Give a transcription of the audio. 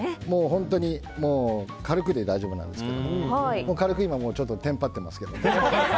本当に軽くで大丈夫なんですけど軽く今もてんぱってますけど。